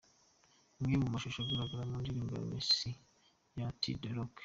Imwe mu mashusho agaragara mu ndirimbo'Messi' ya T Rock.